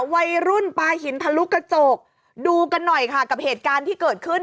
วัยรุ่นปลาหินทะลุกระจกดูกันหน่อยค่ะกับเหตุการณ์ที่เกิดขึ้น